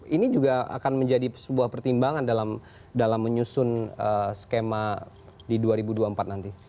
ini juga akan menjadi sebuah pertimbangan dalam menyusun skema di dua ribu dua puluh empat nanti